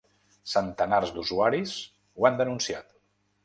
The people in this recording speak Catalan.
Centenars d’usuaris ho han denunciat.